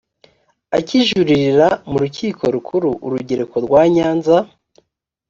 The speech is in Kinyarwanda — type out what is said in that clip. akijuririra mu rukiko rukuru urugereko rwa nyanza